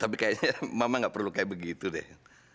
tapi kayaknya mama gak perlu kayak begitu deh